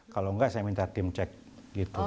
kalau enggak saya minta tim cek gitu